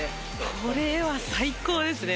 これは最高ですね